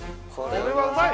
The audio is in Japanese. これはうまい！